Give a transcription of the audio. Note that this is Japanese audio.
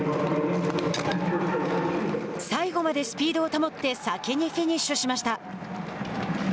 最後までスピードを保って先にフィニッシュしました。